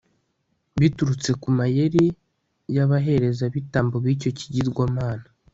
biturutse ku mayeri y'abaherezabitambo b'icyo kigirwamana